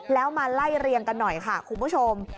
แล้วมาไล่เรียงกันหน่อยค่ะคุณผู้ชม